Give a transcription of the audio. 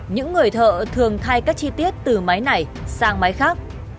những người thợ thường thay các chi tiết từ máy này sang máy khác